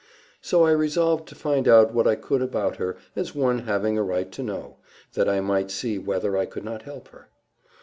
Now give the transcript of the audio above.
So I resolved to find out what I could about her, as one having a right to know, that I might see whether I could not help her.